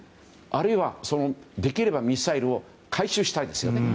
あるいはできればミサイルを回収したいですよね。